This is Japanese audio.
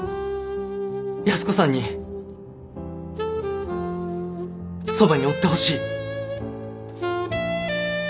安子さんにそばにおってほしい。